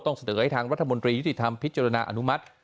เสนอให้ทางรัฐมนตรียุติธรรมพิจารณาอนุมัติ